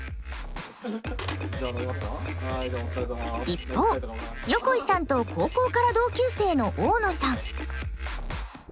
一方横井さんと高校から同級生の大野さん。